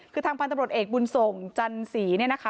คือทางพันธบรวจเอกบุญส่งจันสีเนี่ยนะคะ